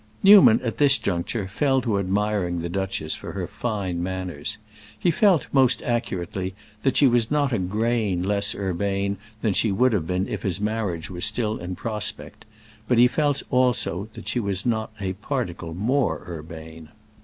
Newman, at this juncture, fell to admiring the duchess for her fine manners. He felt, most accurately, that she was not a grain less urbane than she would have been if his marriage were still in prospect; but he felt also that she was not a particle more urbane.